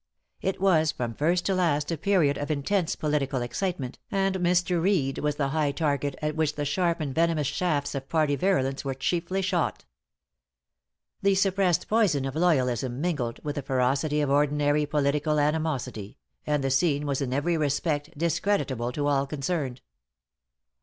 It was from first to last a period of intense political excitement, and Mr. Reed was the high target at which the sharp and venomous shafts of party virulence were chiefly shot. The suppressed poison of loyalism mingled with the ferocity of ordinary political animosity, and the scene was in every respect discreditable to all concerned.